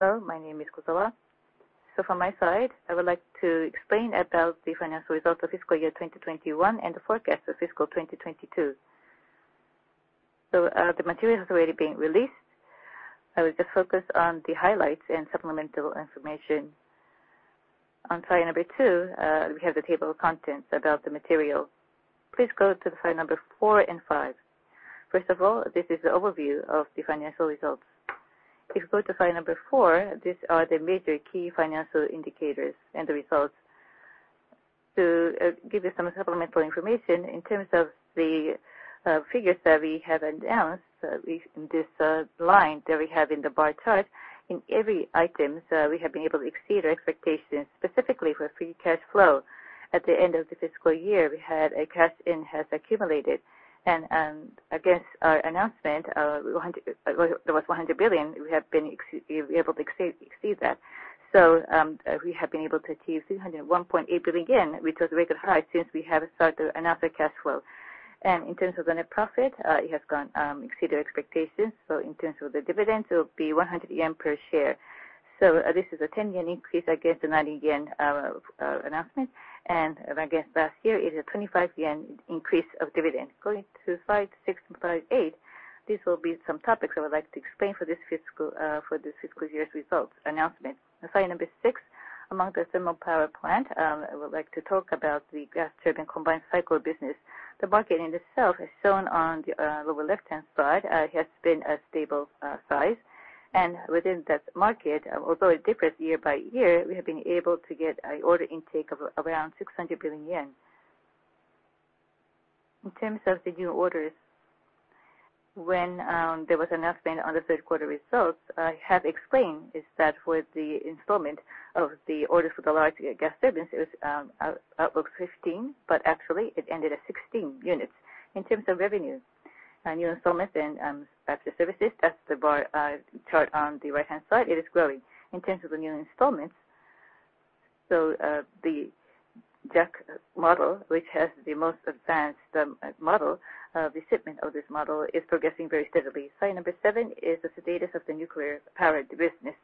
Well, my name is Kozawa. From my side, I would like to explain about the financial results of fiscal year 2021 and the forecast for fiscal 2022. The material has already been released. I will just focus on the highlights and supplemental information. On slide number two, we have the table of contents about the material. Please go to slide number four and five. First of all, this is the overview of the financial results. If you go to slide number four, these are the major key financial indicators and the results. To give you some supplemental information, in terms of the figures that we have announced, we, this line that we have in the bar chart, in every item, we have been able to exceed our expectations, specifically for free cash flow. At the end of the fiscal year, we had cash that has accumulated. Against our announcement of JPY 100 billion, there was 100 billion, we have been able to exceed that. We have been able to achieve 301.8 billion yen, which was record high since we have started announcing cash flow. In terms of net profit, it has exceeded our expectations. In terms of the dividends, it will be 100 yen per share. This is a 10 yen increase against the 90 yen announcement. Against last year, it is a 25 yen increase of dividend. Going to slide six and slide eight, these will be some topics I would like to explain for this fiscal year's results announcement. Slide number six, among the thermal power plant, I would like to talk about the gas turbine combined cycle business. The market in itself, as shown on the lower left-hand side, has been a stable size. Within that market, although it differs year by year, we have been able to get a order intake of around 600 billion yen. In terms of the new orders, when there was announcement on the third quarter results, I have explained that for the intake of the orders for the large gas turbines, it was out of 15, but actually it ended at 16 units. In terms of revenue, new installations and after services, that's the bar chart on the right-hand side, it is growing. In terms of the new installments, the JAC model, which has the most advanced model, the shipment of this model is progressing very steadily. Slide number seven is the status of the nuclear power business.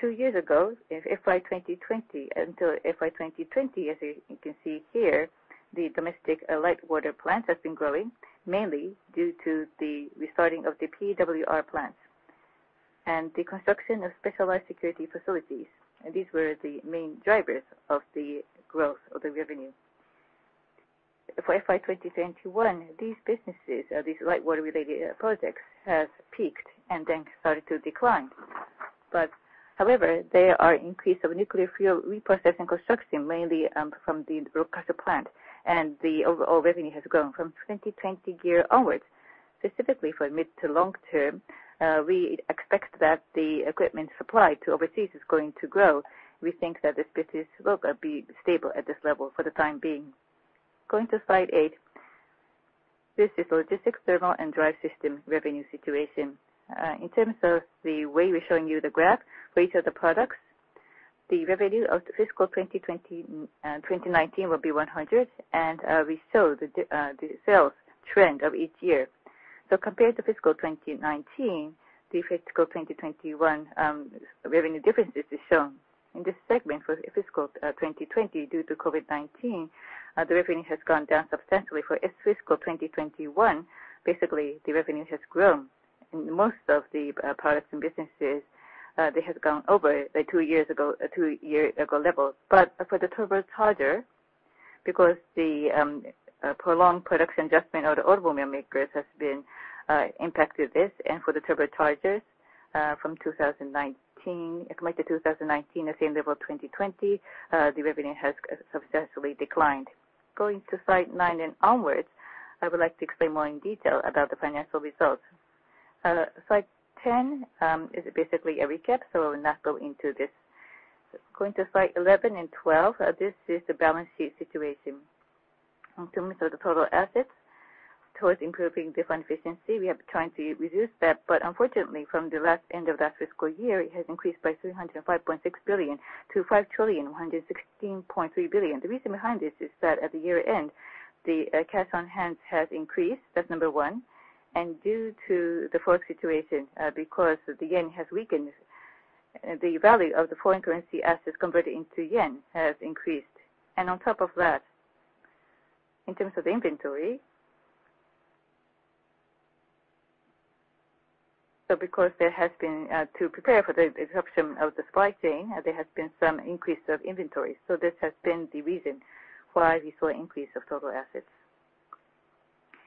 Two years ago, in FY 2020, until FY 2020, as you can see here, the domestic light water plants has been growing mainly due to the restarting of the PWR plants and the construction of specialized security facilities. These were the main drivers of the growth of the revenue. For FY 2021, these businesses or these light water-related projects has peaked and then started to decline. However, there are increase of nuclear fuel reprocessing construction, mainly from the Rokkasho plant, and the overall revenue has grown from 2020 year onwards. Specifically for mid to long term, we expect that the equipment supply to overseas is going to grow. We think that this business will be stable at this level for the time being. Going to slide eight, this is Logistics, Thermal & Drive Systems revenue situation. In terms of the way we're showing you the graph for each of the products, the revenue of fiscal 2020, 2019 will be 100, and we show the sales trend of each year. Compared to fiscal 2019, the fiscal 2021 revenue differences is shown. In this segment, for fiscal 2020, due to COVID-19, the revenue has gone down substantially. For fiscal 2021, basically the revenue has grown. In most of the products and businesses, they have gone over the two years ago, two year ago level. For the turbocharger, because the prolonged production adjustment of the automobile makers has been impacted this. For the turbochargers, from 2019, compared to 2019, the same level of 2020, the revenue has significantly declined. Going to slide nine and onwards, I would like to explain more in detail about the financial results. Slide 10 is basically a recap, so I will not go into this. Going to slide 11 and 12, this is the balance sheet situation. In terms of the total assets, towards improving the fund efficiency, we have trying to reduce that, but unfortunately from the last end of last fiscal year, it has increased by 305.6 billion to 5,116.3 billion. The reason behind this is that at the year-end, the cash on hand has increased, that's number one. Due to the forex situation, because the yen has weakened, the value of the foreign currency assets converted into yen has increased. On top of that, in terms of inventory, because, to prepare for the disruption of the supply chain, there has been some increase of inventory. This has been the reason why we saw increase of total assets.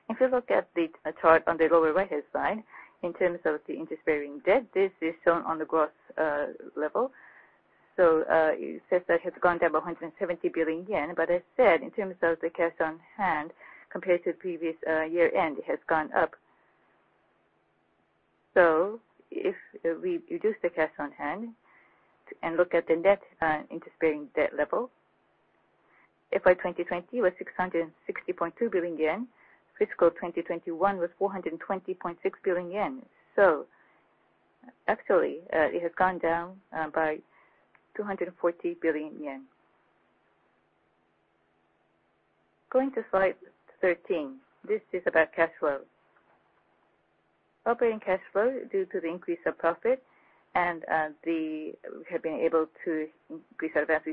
If you look at the chart on the lower right-hand side, in terms of the interest-bearing debt, this is shown on the gross level. It says that has gone down 170 billion yen. As said, in terms of the cash on hand compared to previous year-end, it has gone up. If we reduce the cash on hand and look at the net, interest-bearing debt level, FY 2020 was 660.2 billion yen. Fiscal 2021 was 420.6 billion yen. Actually, it has gone down by 240 billion yen. Going to slide 13. This is about cash flow. Operating cash flow due to the increase of profit and, the, we have been able to increase our advance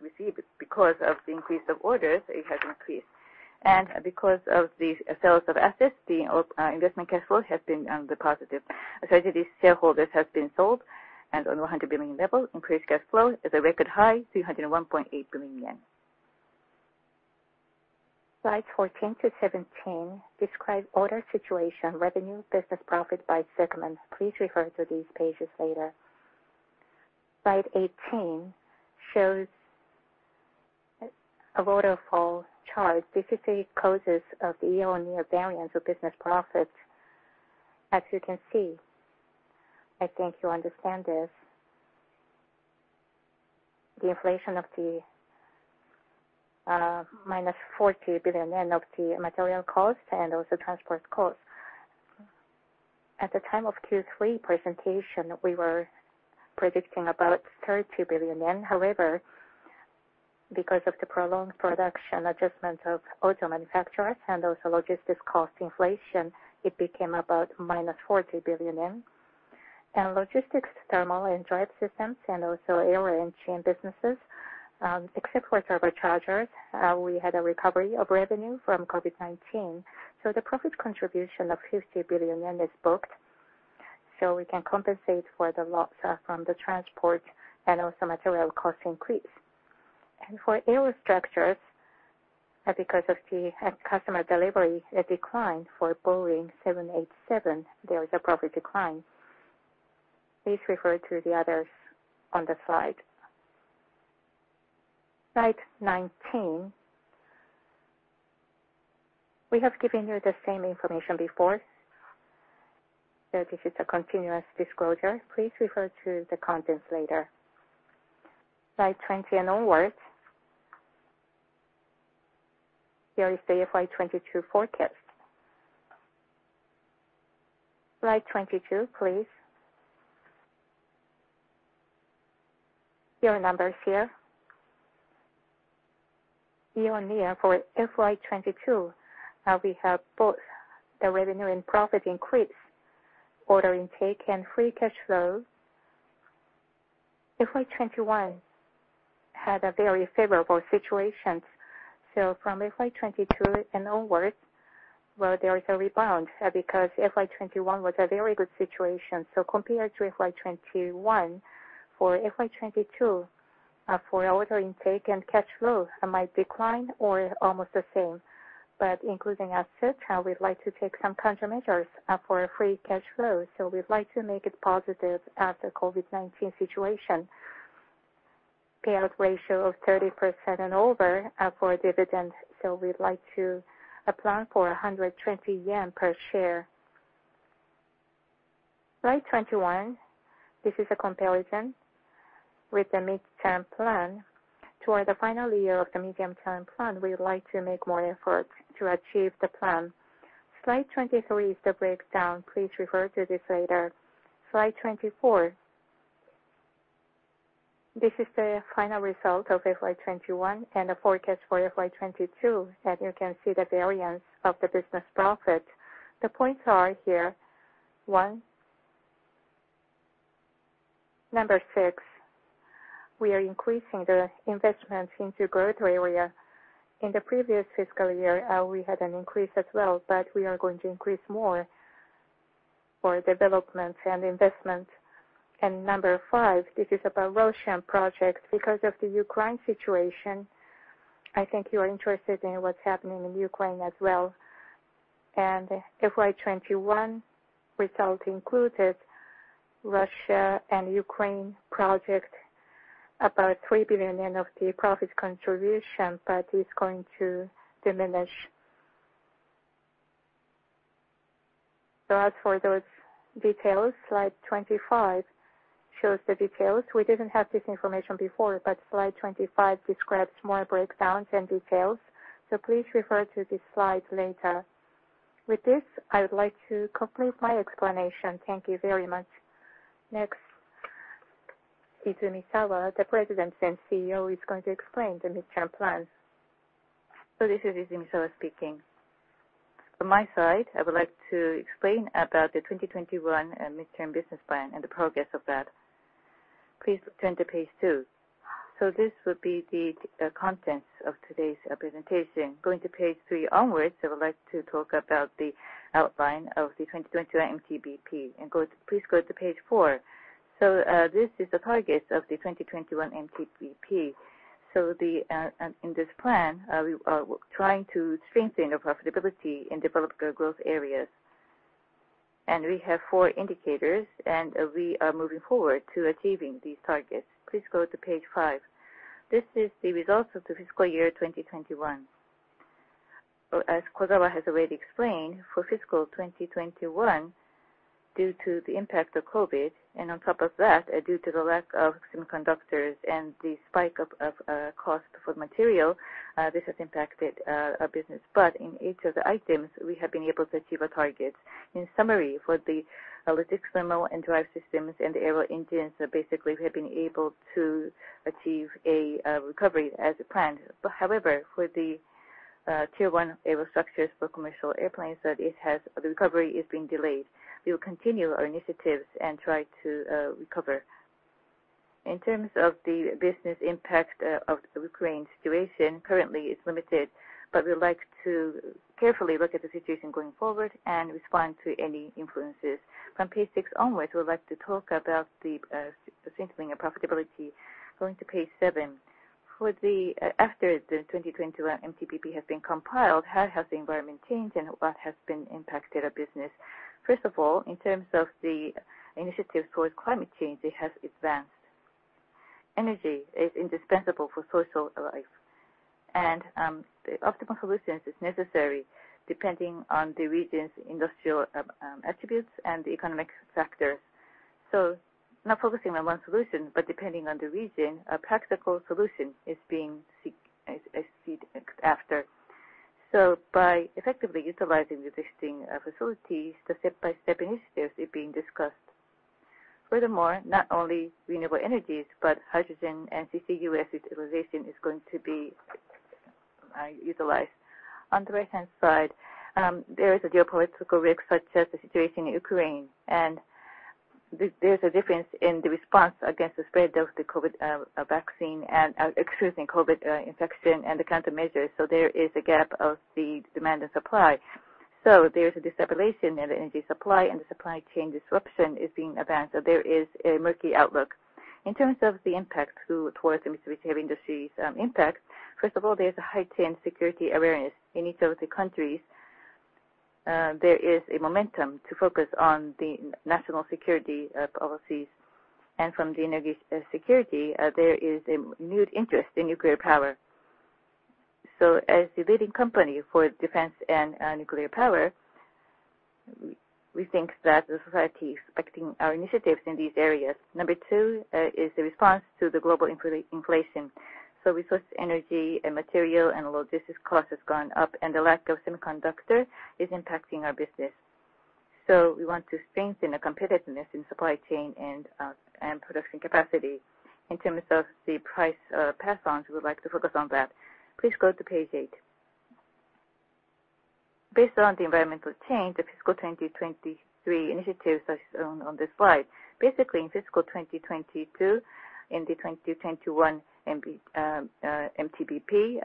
received because of the increase of orders, it has increased. Because of the sales of assets, the investment cash flow has been on the positive. Actually, these shares have been sold and on 100 billion level, increased cash flow is a record high, 301.8 billion yen. Slide 14-17 describe order situation, revenue, business profit by segment. Please refer to these pages later. Slide 18 shows a waterfall chart. This is the causes of the year-on-year variance of business profits. As you can see, I think you understand this. The inflation of the minus 40 billion yen of the material cost and also transport cost. At the time of Q3 presentation, we were predicting about 32 billion yen. However, because of the prolonged production adjustment of auto manufacturers and also logistics cost inflation, it became about -40 billion yen. Logistics, Thermal & Drive Systems and also Aero Engines businesses, except for turbochargers, we had a recovery of revenue from COVID-19. The profit contribution of 50 billion yen is booked, so we can compensate for the loss from the transport and also material cost increase. For Aero Structures, because of the customer delivery, it declined for Boeing 787, there is a profit decline. Please refer to the others on the slide. Slide 19. We have given you the same information before. This is a continuous disclosure. Please refer to the contents later. Slide 20 and onwards. Here is the FY 2022 forecast. Slide 22, please. Year numbers here. Year-on-year for FY 2022, we have both the revenue and profit increase, order intake and free cash flow. FY 2021 had a very favorable situation. From FY 2022 and onwards, there is a rebound, because FY 2021 was a very good situation. Compared to FY 2021, for FY 2022, for order intake and cash flow might decline or almost the same. Including asset, we'd like to take some countermeasures, for free cash flow. We'd like to make it positive after COVID-19 situation. Payout ratio of 30% and over, for dividend. We'd like to plan for 120 yen per share. Slide 21. This is a comparison with the medium-term plan. Toward the final year of the medium-term plan, we would like to make more efforts to achieve the plan. Slide 23 is the breakdown. Please refer to this later. Slide 24. This is the final result of FY 2021 and the forecast for FY 2022, and you can see the variance of the business profit. The points are here. Number six, we are increasing the investment into growth area. In the previous fiscal year, we had an increase as well, but we are going to increase more for development and investment. Number five, this is about Russian project. Because of the Ukraine situation, I think you are interested in what's happening in Ukraine as well. FY 2021 result included Russia and Ukraine project, about 3 billion of the profit contribution, but it's going to diminish. As for those details, slide 25 shows the details. We didn't have this information before but slide 25 describes more breakdowns and details. Please refer to this slide later. With this, I would like to complete my explanation. Thank you very much. Next, Seiji Izumisawa, the President and CEO, is going to explain the midterm plans. This is Seiji Izumisawa speaking. From my side, I would like to explain about the 2021 Medium-Term Business Plan and the progress of that. Please turn to page two. This would be the contents of today's presentation. Going to page three onwards, I would like to talk about the outline of the 2021 MTBP. Please go to page four. This is the targets of the 2021 MTBP. In this plan, we are trying to strengthen our profitability in developing our growth areas. We have four indicators, and we are moving forward to achieving these targets. Please go to page five. This is the results of the fiscal year 2021. As Kozawa has already explained, for fiscal 2021, due to the impact of COVID, and on top of that, due to the lack of semiconductors and the spike of cost for material, this has impacted our business. In each of the items, we have been able to achieve our targets. In summary, for the Logistics, Thermal & Drive Systems and the Aero Engines, basically, we have been able to achieve a recovery as planned. However, for the tier one infrastructures for commercial airplanes, the recovery is being delayed. We will continue our initiatives and try to recover. In terms of the business impact of the Ukraine situation, currently it's limited, but we would like to carefully look at the situation going forward and respond to any influences. From page six onwards, we would like to talk about the strengthening of profitability. Going to page seven. With the after the 2021 MTBP has been compiled, how has the environment changed and what has been impacted our business? First of all, in terms of the initiatives towards climate change, it has advanced. Energy is indispensable for social life. The optimal solutions are necessary depending on the region's industrial attributes and the economic factors. Not focusing on one solution, but depending on the region, a practical solution is being sought after. By effectively utilizing the existing facilities, the step-by-step initiatives are being discussed. Furthermore, not only renewable energies, but hydrogen and CCUS utilization is going to be utilized. On the right-hand side, there is a geopolitical risk such as the situation in Ukraine, and there's a difference in the response against the spread of the COVID-19 vaccine and including COVID-19 infection and the countermeasures, so there is a gap of the demand and supply. There's a destabilization in the energy supply, and the supply chain disruption is being advanced, so there is a murky outlook. In terms of the impact through towards the Mitsubishi Heavy Industries, first of all, there's a heightened security awareness. In each of the countries, there is a momentum to focus on the national security policies. From the energy security, there is a renewed interest in nuclear power. As the leading company for defense and nuclear power, we think that the society is expecting our initiatives in these areas. Number two is the response to the global inflation. Resource energy and material and logistics cost has gone up, and the lack of semiconductor is impacting our business. We want to strengthen the competitiveness in supply chain and production capacity. In terms of the price pass-ons, we would like to focus on that. Please go to page eight. Based on the environmental change, the fiscal 2023 initiatives are shown on this slide. Basically, in fiscal 2022, in the 2021 MTBP,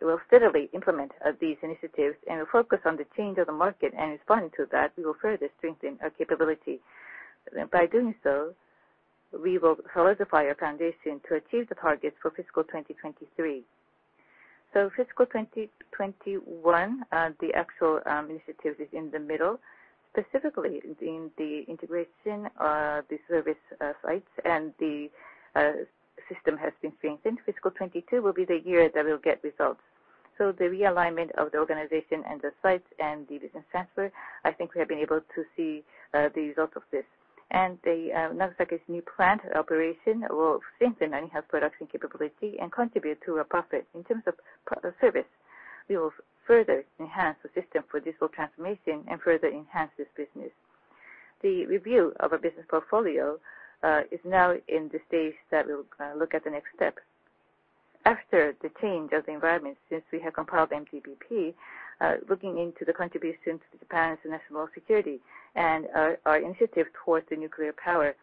we'll steadily implement these initiatives and focus on the change of the market, and responding to that, we will further strengthen our capability. By doing so, we will solidify our foundation to achieve the targets for fiscal 2023. Fiscal 2021, the actual initiative is in the middle. Specifically, in the integration of the service sites and the system has been strengthened. Fiscal 2022 will be the year that we'll get results. The realignment of the organization and the sites and the business transfer, I think we have been able to see the results of this. The Nagasaki's new plant operation will strengthen and enhance production capability and contribute to our profit. In terms of product or service, we will further enhance the system for digital transformation and further enhance this business. The review of our business portfolio is now in the stage that we'll look at the next step. After the change of the environment since we have compiled MTBP, looking into the contribution to Japan's national security and our initiative towards the nuclear power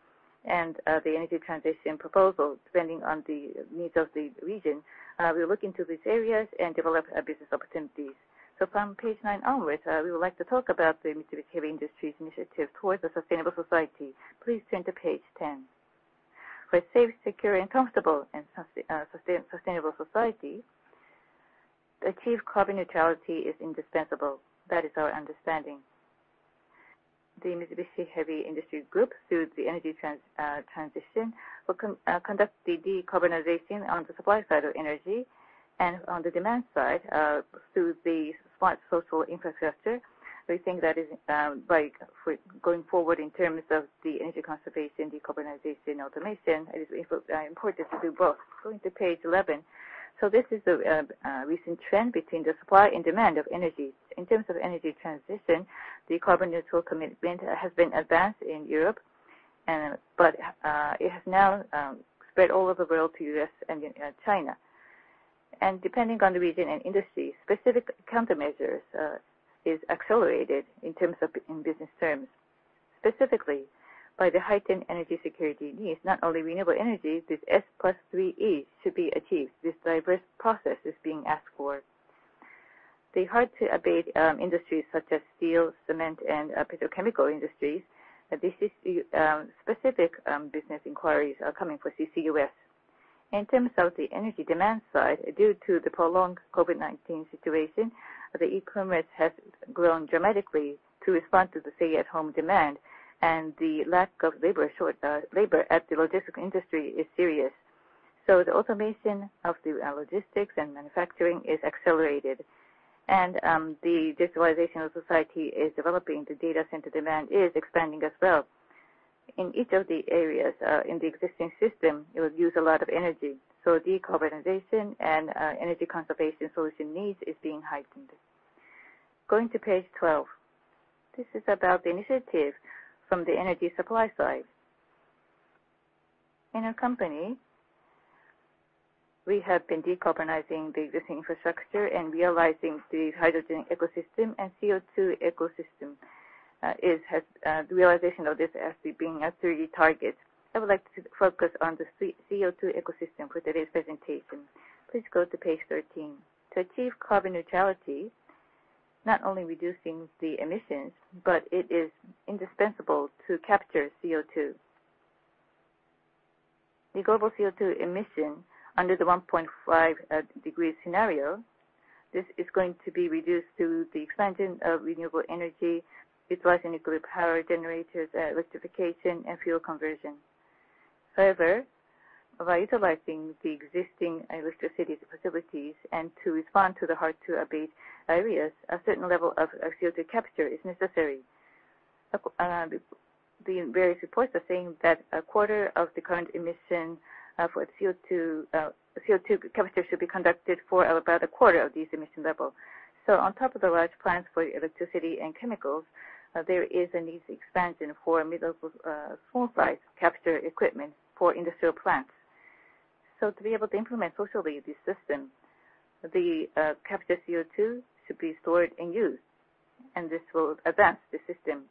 and the energy transition proposal, depending on the needs of the region, we're looking to these areas and develop business opportunities. From page nine onwards, we would like to talk about the Mitsubishi Heavy Industries initiative towards a sustainable society. Please turn to page 10. For a safe, secure, and comfortable and sustainable society, achieve carbon neutrality is indispensable. That is our understanding. The Mitsubishi Heavy Industries Group, through the energy transition, will conduct the decarbonization on the supply side of energy and on the demand side, through the smart social infrastructure. We think that is, like for going forward in terms of the energy conservation, decarbonization, automation, it is important to do both. Going to page eleven. This is a recent trend between the supply and demand of energy. In terms of energy transition, the carbon neutrality commitment has been advanced in Europe and it has now spread all over the world to U.S. and China. Depending on the region and industry, specific countermeasures is accelerated in terms of business terms, specifically by the heightened energy security needs, not only renewable energy, this 3E+S should be achieved. This diverse process is being asked for. The hard-to-abate industries such as steel, cement, and petrochemical industries, this is the specific business inquiries are coming for CCUS. In terms of the energy demand side, due to the prolonged COVID-19 situation, the e-commerce has grown dramatically to respond to the stay-at-home demand and the labor shortage at the logistics industry is serious. The automation of the logistics and manufacturing is accelerated. The digitalization of society is developing. The data center demand is expanding as well. In each of the areas, in the existing system, it would use a lot of energy. Decarbonization and energy conservation solution needs is being heightened. Going to page 12. This is about the initiative from the energy supply side. In our company, we have been decarbonizing the existing infrastructure and realizing the hydrogen ecosystem and CO₂ ecosystem. The realization of this has been a three target. I would like to focus on the CO₂ ecosystem for today's presentation. Please go to page 13. To achieve carbon neutrality, not only reducing the emissions, but it is indispensable to capture CO₂. The global CO₂ emission under the 1.5°C scenario, this is going to be reduced through the expansion of renewable energy, utilizing nuclear power generators, electrification and fuel conversion. However, by utilizing the existing electricity facilities and to respond to the hard-to-abate areas, a certain level of CO₂ capture is necessary. The various reports are saying that a quarter of the current emission for CO₂. CO₂ capture should be conducted for about a quarter of these emission levels. On top of the large plants for electricity and chemicals, there is a need for expansion for middle small size capture equipment for industrial plants. To be able to implement socially this system, the captured CO₂ should be stored and used, and this will advance the system,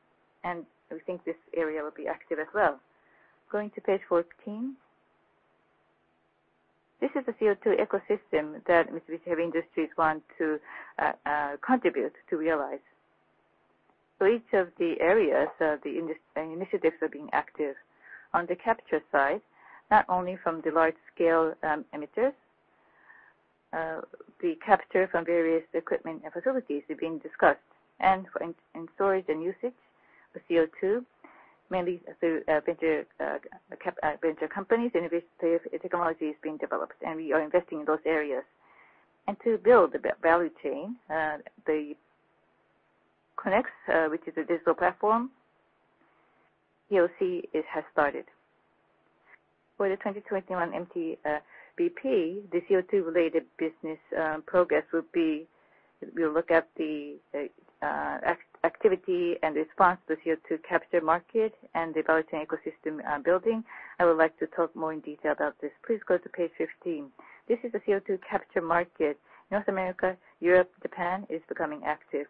and we think this area will be active as well. Going to page 14. This is the CO₂ ecosystem that Mitsubishi Heavy Industries want to contribute to realize. Each of the areas, the initiatives are being active. On the capture side, not only from the large scale emitters, the capture from various equipment and facilities are being discussed. For storage and usage of CO₂, mainly through venture companies, innovative technology is being developed, and we are investing in those areas. To build the value chain, the CO₂NNEX, which is a digital platform, you'll see it has started. For the 2021 MTBP, the CO₂-related business progress will be, we'll look at the activity and response to CO₂ capture market and developing ecosystem building. I would like to talk more in detail about this. Please go to page 15. This is the CO₂ capture market. North America, Europe, Japan is becoming active.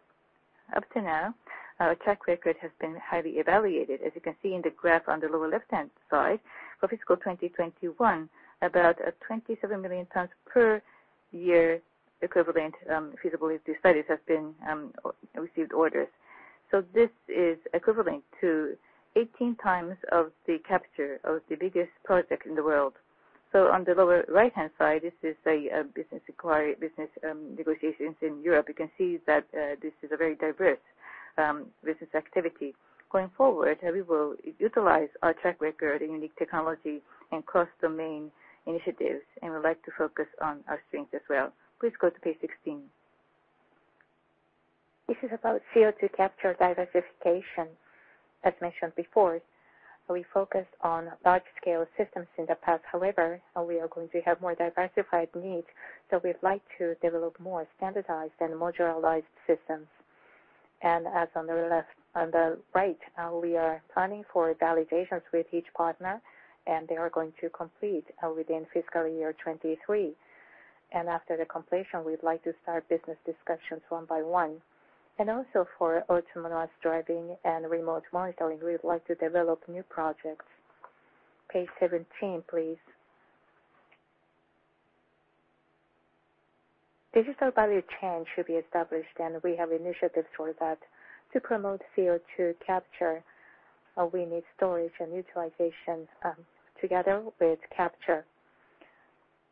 Up to now, our track record has been highly evaluated. As you can see in the graph on the lower left-hand side, for fiscal 2021, about 27 million tons per year equivalent feasibility studies have been received orders. This is equivalent to 18 times of the capture of the biggest project in the world. On the lower right-hand side, this is a business negotiations in Europe. You can see that this is a very diverse business activity. Going forward, we will utilize our track record in unique technology and cross-domain initiatives, and we'd like to focus on our strengths as well. Please go to page 16. This is about CO₂ capture diversification. As mentioned before, we focused on large-scale systems in the past. However, we are going to have more diversified needs, so we'd like to develop more standardized and modularized systems. On the right, we are planning for validations with each partner, and they are going to complete within fiscal year 2023. After the completion, we'd like to start business discussions one by one. Also for autonomous driving and remote monitoring, we would like to develop new projects. Page 17, please. Digital value chain should be established, and we have initiatives for that. To promote CO₂ capture, we need storage and utilization together with capture.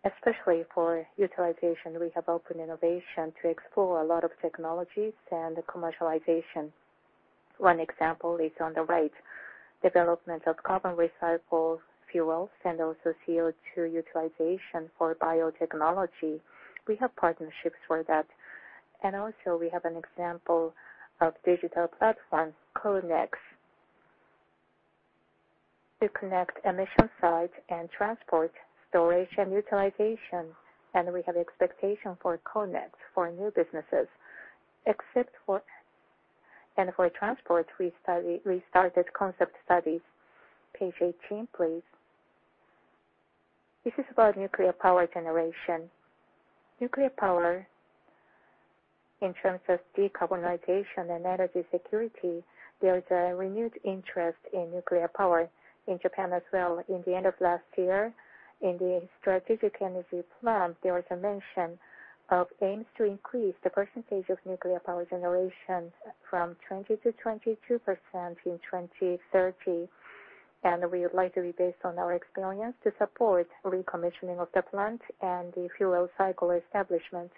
Especially for utilization, we have open innovation to explore a lot of technologies and commercialization. One example is on the right, development of carbon recycled fuels and also CO₂ utilization for biotechnology. We have partnerships for that. We have an example of digital platform, CO₂NNEX, to connect emission sites and transport, storage and utilization. We have expectation for CO₂NNEX for new businesses. For transport, we started concept studies. Page 18, please. This is about nuclear power generation. Nuclear power in terms of decarbonization and energy security, there is a renewed interest in nuclear power in Japan as well. In the end of last year, in the Strategic Energy Plan, there was a mention of aims to increase the percentage of nuclear power generation from 20%-22% in 2030. We would like to be based on our experience to support recommissioning of the plant and the fuel cycle establishment.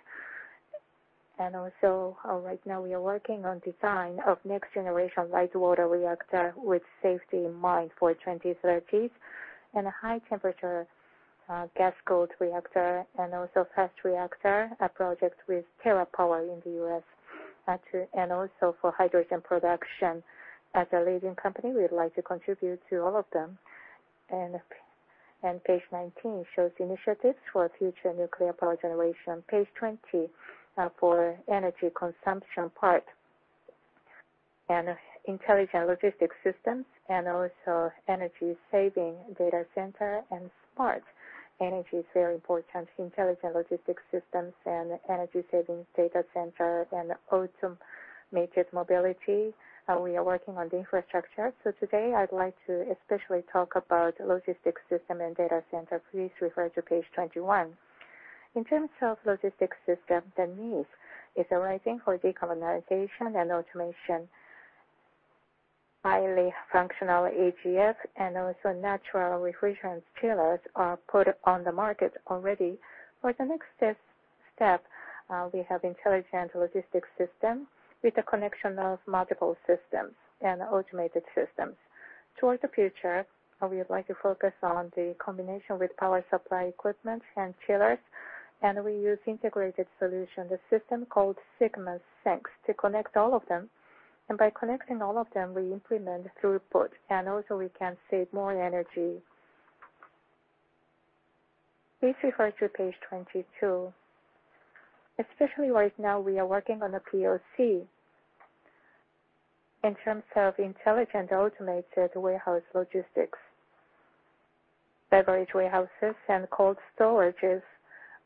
Right now we are working on design of next-generation light water reactor with safety in mind for 2030s and a high temperature gas-cooled reactor and also fast reactor, a project with TerraPower in the US. For hydrogen production. As a leading company, we'd like to contribute to all of them. Page 19 shows initiatives for future nuclear power generation. Page 20 for energy consumption part. Intelligent logistics systems and also energy saving data center and smart energy is very important. Intelligent logistics systems and energy savings data center and ultimate mobility, we are working on the infrastructure. Today, I'd like to especially talk about logistics system and data center. Please refer to page 21. In terms of logistics system, the need is arising for decarbonization and automation. Highly functional AGVs and also natural refrigerant chillers are put on the market already. For the next step, we have intelligent logistics system with the connection of multiple systems and automated systems. Towards the future, we would like to focus on the combination with power supply equipment and chillers, and we use integrated solution, the system called ΣSynX, to connect all of them. By connecting all of them, we implement throughput, and also, we can save more energy. Please refer to page 22. Especially right now, we are working on a POC. In terms of intelligent automated warehouse logistics, beverage warehouses and cold storages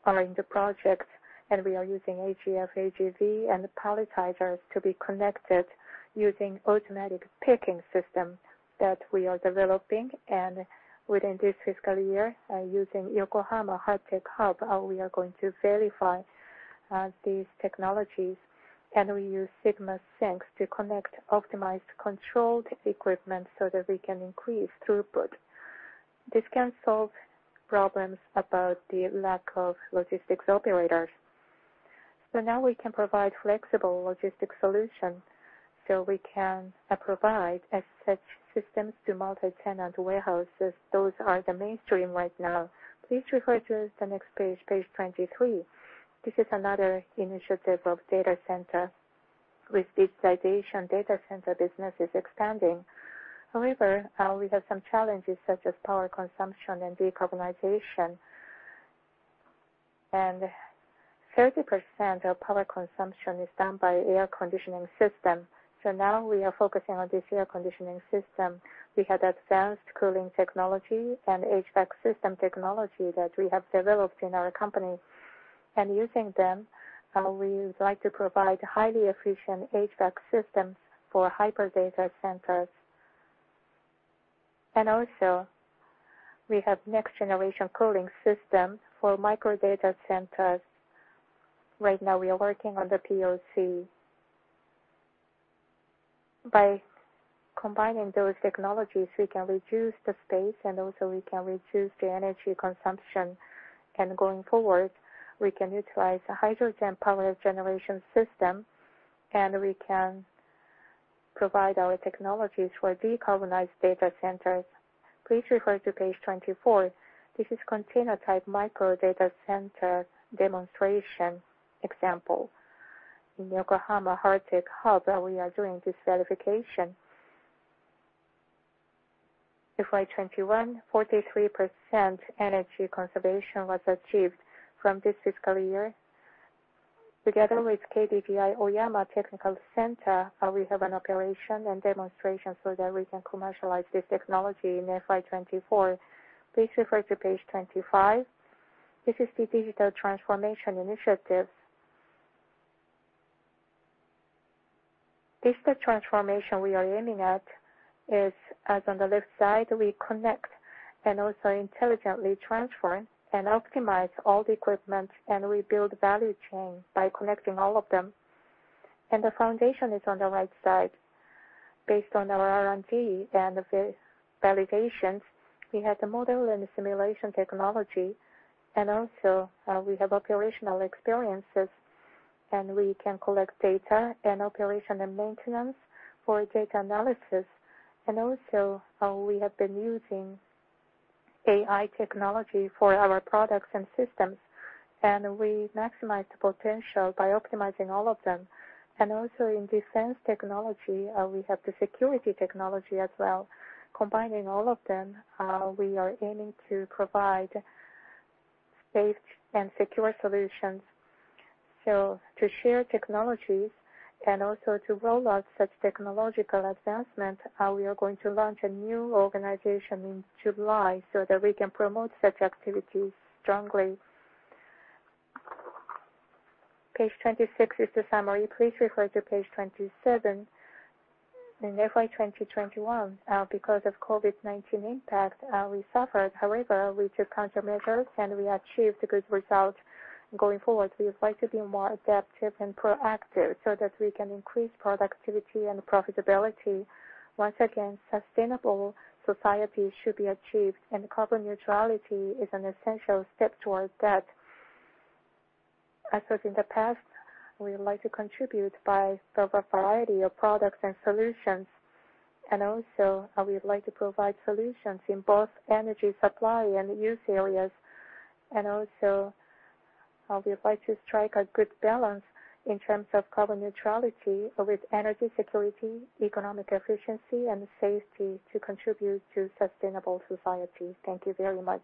are in the project, and we are using AGF, AGV, and palletizers to be connected using automatic picking system that we are developing. Within this fiscal year, using Yokohama Hardtech Hub, we are going to verify these technologies. Can we use ΣSynX to connect optimized controlled equipment so that we can increase throughput? This can solve problems about the lack of logistics operators. Now we can provide flexible logistics solution. We can provide as such systems to multi-tenant warehouses. Those are the mainstream right now. Please refer to the next page 23. This is another initiative of data center. With digitization, data center business is expanding. However, we have some challenges, such as power consumption and decarbonization. 30% of power consumption is done by air conditioning system. Now we are focusing on this air conditioning system. We have advanced cooling technology and HVAC system technology that we have developed in our company. Using them, we would like to provide highly efficient HVAC systems for hyper data centers. Also, we have next generation cooling system for micro data centers. Right now, we are working on the POC. By combining those technologies, we can reduce the space and also we can reduce the energy consumption. Going forward, we can utilize a hydrogen power generation system, and we can provide our technologies for decarbonized data centers. Please refer to page 24. This is container type micro data center demonstration example. In Yokohama Hardtech Hub, we are doing this verification. FY 2021, 43% energy conservation was achieved from this fiscal year. Together with KDDI Oyama Technical Center, we have an operation and demonstration so that we can commercialize this technology in FY 2024. Please refer to page 25. This is the digital transformation initiative. Digital transformation we are aiming at is, as on the left side, we connect and also intelligently transfer and optimize all the equipment and rebuild value chain by connecting all of them. The foundation is on the right side. Based on our R&D and verifications, we have the model and simulation technology, and also, we have operational experiences, and we can collect data and operation and maintenance for data analysis. We have been using AI technology for our products and systems, and we maximize the potential by optimizing all of them. Also in defense technology, we have the security technology as well. Combining all of them, we are aiming to provide safe and secure solutions. To share technologies and also to roll out such technological advancement, we are going to launch a new organization in July so that we can promote such activities strongly. Page 26 is the summary. Please refer to page 27. In FY 2021, because of COVID-19 impact, we suffered. However, we took countermeasures, and we achieved a good result. Going forward, we would like to be more adaptive and proactive so that we can increase productivity and profitability. Once again, sustainable society should be achieved, and carbon neutrality is an essential step towards that. As was in the past, we would like to contribute by the variety of products and solutions. We would like to provide solutions in both energy supply and use areas. We would like to strike a good balance in terms of carbon neutrality with energy security, economic efficiency, and safety to contribute to sustainable society. Thank you very much.